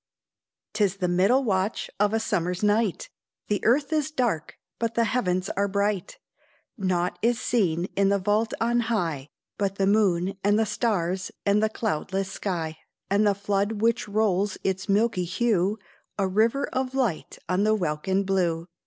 'Tis the middle watch of a summer's night The earth is dark, but the heavens are bright; Nought is seen in the vault on high But the moon, and the stars, and the cloudless sky, And the flood which rolls its milky hue, A river of light on the welkin blue.